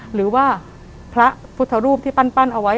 หรือว่าพระพุทธรูปที่ปั้นเอาไว้